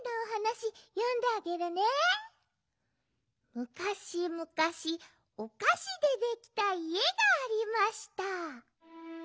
むかしむかしおかしでできたいえがありました。